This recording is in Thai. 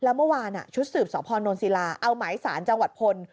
แล้วเมื่อวานชุดสืบสพนศิลาเอาหมายสารจังหวัดพล